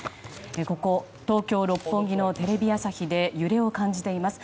ここ、東京・六本木のテレビ朝日で揺れを感じています。